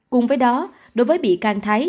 cùng với đó đối với bị can thái